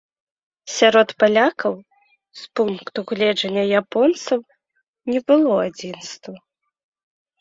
Сярод палякаў, з пункту гледжання японцаў, не было адзінства.